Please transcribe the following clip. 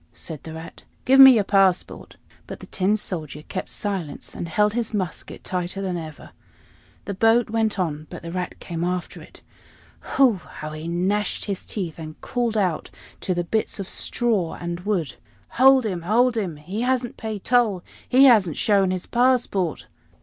said the Rat. "Give me your passport." But the Tin Soldier kept silence, and held his musket tighter than ever. The boat went on, but the Rat came after it. Hu! how he gnashed his teeth, and called out to the bits of straw and wood. "Hold him! hold him! He hasn't paid toll he hasn't shown his passport!"